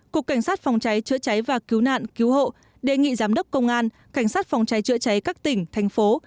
cục cảnh sát phòng cháy chữa cháy và cứu nạn cứu hộ đề nghị giám đốc công an cảnh sát phòng cháy chữa cháy các tỉnh thành phố